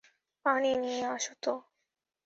পানি নিয়ে আসো তো।